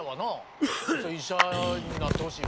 医者になってほしいわな。